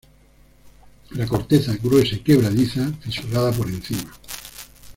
La corteza gruesa y quebradiza, fisurada por encima.